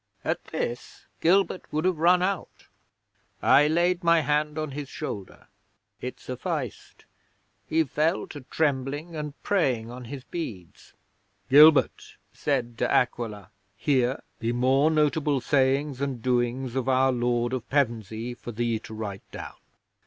'At this Gilbert would have run out. I laid my hand on his shoulder. It sufficed. He fell to trembling and praying on his beads. '"Gilbert," said De Aquila, "here be more notable sayings and doings of our Lord of Pevensey for thee to write down.